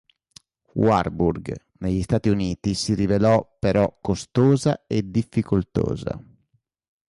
Warburg negli Stati Uniti si rivelò però costosa e difficoltosa.